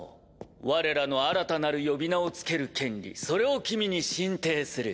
われらの新たなる呼び名を付ける権利それを君に進呈する。